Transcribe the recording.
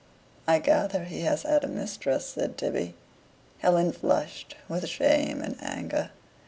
"I gather he has had a mistress," said Tibby. Helen flushed with shame and anger.